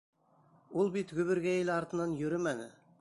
Ул бит гөбөргәйел артынан йөрөмәне.